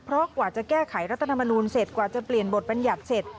เพราะกว่าจะแก้ไขรัฐธรรมนูลเสร็จกว่าจะเปลี่ยนบทบัญญัติเสร็จ